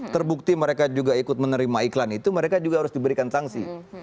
terbukti mereka juga ikut menerima iklan itu mereka juga harus diberikan sanksi